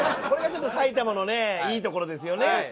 これがちょっと埼玉のねいいところですよね。